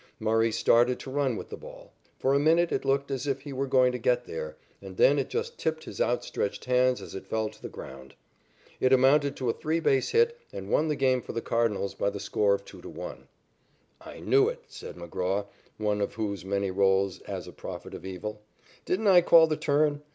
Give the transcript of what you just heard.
Murray started to run with the ball. For a minute it looked as if he were going to get there, and then it just tipped his outstretched hands as it fell to the ground. It amounted to a three base hit and won the game for the Cardinals by the score of 2 to 1. "I knew it," said McGraw, one of whose many rôles is as a prophet of evil. "Didn't I call the turn?